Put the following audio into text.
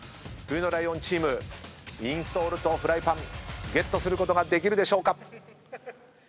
冬のライオンチームインソールとフライパンゲットすることができるでしょうか？